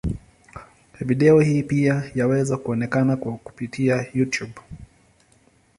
Video hii pia yaweza kuonekana kwa kupitia Youtube.